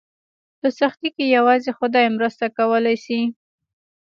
په سختۍ کې یوازې خدای مرسته کولی شي.